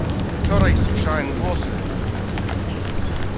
"Wczoraj słyszałem głosy."